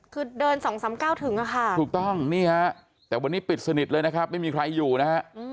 คือเดิน๒๓๙ถึงอะค่ะถูกต้องนี่ฮะแต่วันนี้ปิดสนิทเลยนะครับไม่มีใครอยู่นะฮะ